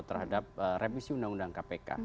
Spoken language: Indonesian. terhadap revisi undang undang kpk